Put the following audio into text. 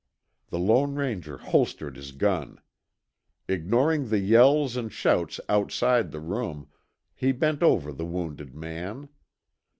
The Lone Ranger holstered his gun. Ignoring the yells and shouts outside the room, he bent over the wounded man.